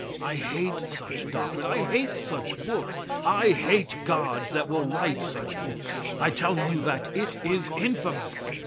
I hate such doctrine! I hate such books! I hate gods that will write such books! I tell you that it is infamous!